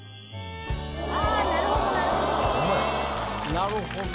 なるほど。